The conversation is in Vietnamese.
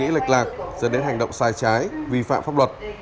suy nghĩ lệch lạc dẫn đến hành động sai trái vi phạm pháp luật